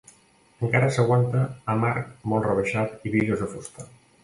Encara s'aguanta amb arc molt rebaixat i bigues de fusta.